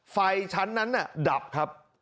ไฟชั้นนั้นดับครับ